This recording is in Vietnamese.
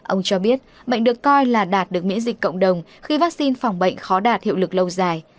ông cho biết bệnh được coi là đạt được miễn dịch cộng đồng khi vaccine phòng bệnh khó đạt hiệu lực lâu dài